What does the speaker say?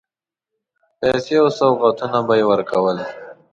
پیسې او سوغاتونه به یې ورکول.